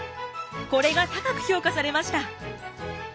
これが高く評価されました。